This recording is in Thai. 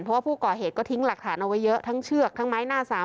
เพราะว่าผู้ก่อเหตุก็ทิ้งหลักฐานเอาไว้เยอะทั้งเชือกทั้งไม้หน้าสาม